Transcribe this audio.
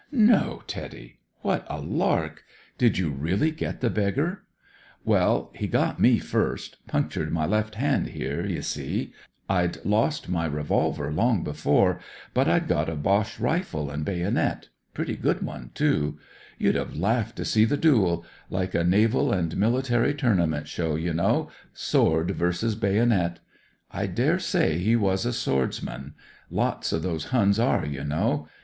" No, Teddy ! What a lark I Did you really get the beggar ?"" Well, he got me first ; punctured my left hand here, you see. I'd lost rny revolver long before ; but I'd got a Boche rifle and bayonet — ^pretty good one, too. You'd have laughed to see the duel ; like a Naval and Military Tournament show, you know — sword versus bayonet. I daresay he was a swordsman. Lots of these Huns are, you know.